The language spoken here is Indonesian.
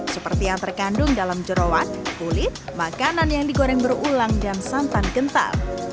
seperti yang terkandung dalam jerawat kulit makanan yang digoreng berulang dan santan kental